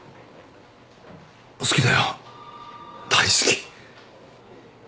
好きだよ大好き。